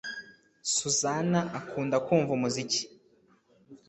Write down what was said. Susan akunda kumva umuziki